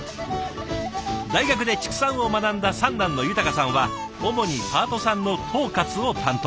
大学で畜産を学んだ三男の優さんは主にパートさんの統括を担当。